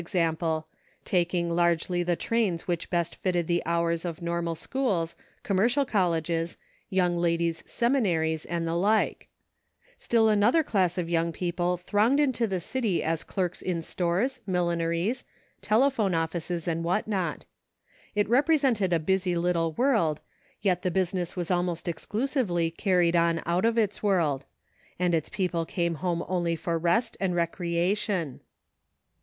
Ill example, taking largely the trains which best fitted the hours of normal schools, commercial colleges, young ladies' seminaries and the like ; still another class of young people thronged into the city as clerks in stores, millineries, telephone offices and what not. It represented a busy little world, yet the business was almost exclusively carried on out of its world ; and its people came home only for rest and recreation.